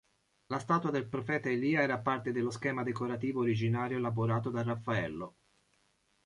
La statua del profeta Elia era parte dello schema decorativo originario elaborato da Raffaello.